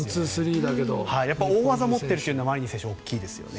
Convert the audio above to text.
大技を持っているのはマリニン選手は大きいですね。